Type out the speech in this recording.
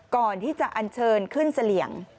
ก่อนที่จะอันเชิญขึ้นเสลี่ยง